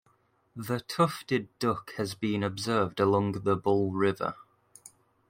The Tufted duck has been observed along the Bull River.